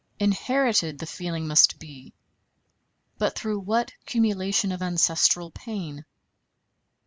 Inherited the feeling must be, but through what cumulation of ancestral pain?